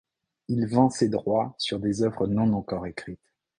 Il vend ses droits sur des œuvres non encore écrites.